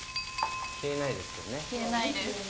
消えないですよね。